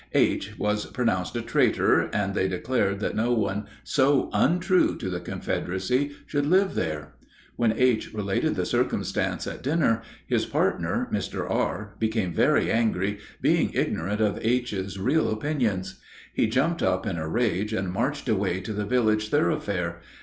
H. was pronounced a traitor, and they declared that no one so untrue to the Confederacy should live there. When H. related the circumstance at dinner, his partner, Mr. R., became very angry, being ignorant of H.'s real opinions. He jumped up in a rage and marched away to the village thoroughfare.